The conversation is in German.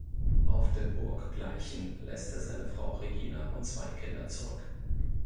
Auf der Burg Gleichen lässt er seine Frau Regina und zwei Kinder zurück.